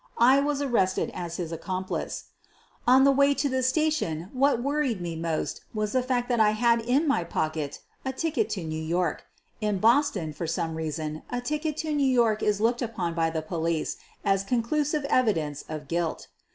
I was arrested as his accomplice. On the way to the station what worried me most was the fact that I had in my pocket a ticket to New York. In Boston, for some reason, a ticket to New York is looked upon by the police as conclusive evi dence of guilt.